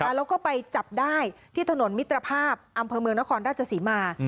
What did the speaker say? แล้วก็ไปจับได้ที่ถนนมิตรภาพอำเภอเมืองนครราชศรีมา